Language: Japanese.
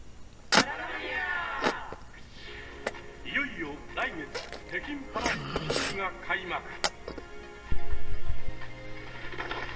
いよいよ来月北京パラリンピックが開幕。